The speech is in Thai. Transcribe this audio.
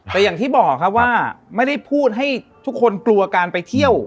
แต่อย่างที่บอกครับว่าไม่ได้พูดให้ทุกคนกลัวการไปเที่ยว